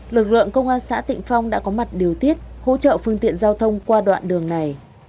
lực lượng công an xã tịnh phong đã có mặt điều tiết hỗ trợ phương tiện giao thông qua đoạn đường này